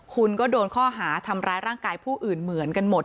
คุณก็โดนข้อหาทำร้ายร่างกายผู้อื่นเหมือนกันหมด